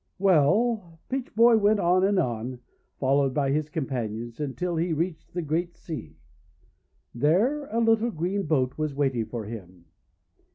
Well, Peach Boy went on and on, followed by his companions, until he reached the Great Sea. There a little green boat was waiting for him.